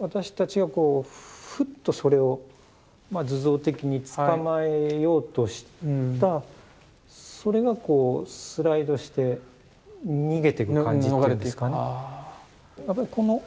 私たちがこうフッとそれをまあ図像的に捕まえようとしたそれがこうスライドして逃げてく感じっていうんですかね。